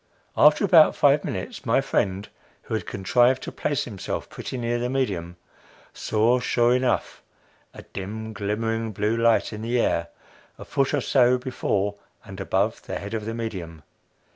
After about five minutes, my friend, who had contrived to place himself pretty near the medium, saw, sure enough, a dim glimmering blue light in the air, a foot or so before and above the head of the medium.